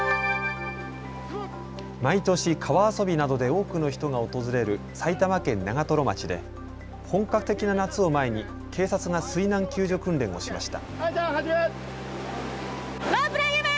毎年、川遊びなどで多くの人が訪れる埼玉県長瀞町で本格的な夏を前に警察が水難救助訓練をしました。